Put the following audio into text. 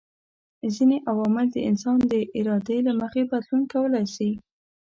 ځيني عوامل د انسان د ارادې له مخي بدلون کولای سي